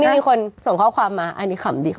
มีคนส่งข้อความมาอันนี้ดีเหรอ